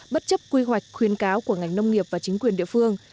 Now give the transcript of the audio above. bất chấp quy hoạch khuyến cáo của ngành nông nghiệp và chính quyền địa phương